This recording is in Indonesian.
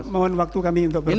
mohon waktu kami untuk berbicara